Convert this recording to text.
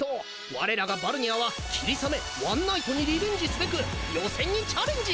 われらがバルニャーはキリサメワンナイトにリベンジすべく予選にチャレンジ！